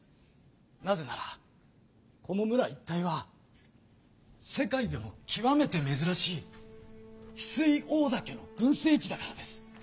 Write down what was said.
なぜならこの村一帯は世界でもきわめてめずらしいヒスイオオダケの群生地だからです。